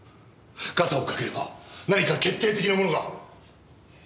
ガサをかければ何か決定的なものが！